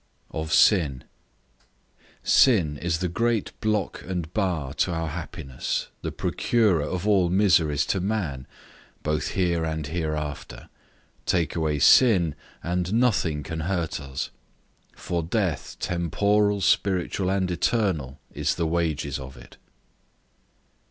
OF SIN. SIN is the great block and bar to our happiness, the procurer of all miseries to man, both here and hereafter; take away sin, and nothing can hurt us; for death temporal, spiritual, and eternal, is the wages of it.